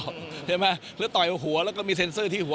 เห็นไหมแล้วต่อยหัวแล้วก็มีเซ็นเซอร์ที่หัว